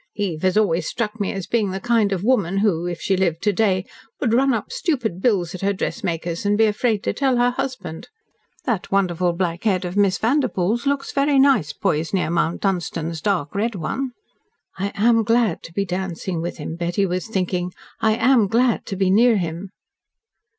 Eve has always struck me as being the kind of woman who, if she lived to day, would run up stupid bills at her dressmakers and be afraid to tell her husband. That wonderful black head of Miss Vanderpoel's looks very nice poised near Mount Dunstan's dark red one." "I am glad to be dancing with him," Betty was thinking. "I am glad to be near him."